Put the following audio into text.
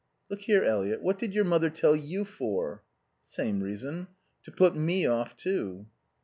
"Look here, Eliot, what did your mother tell you for?" "Same reason. To put me off, too."